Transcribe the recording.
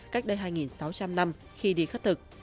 cách đây hai sáu trăm linh năm khi đi khất thực